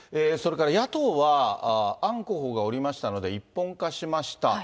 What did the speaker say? それから野党は、アン候補が下りましたので、一本化しました。